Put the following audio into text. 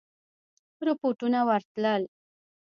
رپوټونه ورتلل.